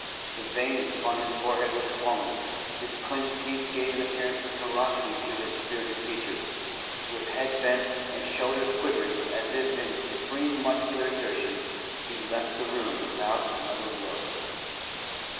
The veins upon his forehead were swollen; his clenched teeth gave an appearance of ferocity to his spirited features. With head bent, and shoulders quivering as if in supreme muscular exertion, he left the room without another word.